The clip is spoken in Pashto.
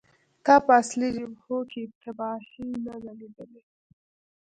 تا په اصلي جبهو کې تباهۍ نه دي لیدلې